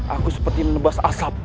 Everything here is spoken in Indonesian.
aku seperti menebas asap